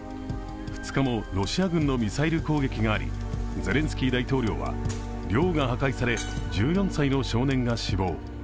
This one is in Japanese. ２日もロシア軍のミサイル攻撃がありゼレンスキー大統領は寮が破壊され１４歳の少年が死亡。